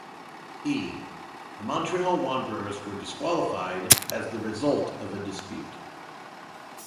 E. The Montreal Wanderers were disqualified as the result of a dispute.